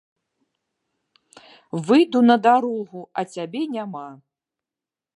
Выйду на дарогу, а цябе няма.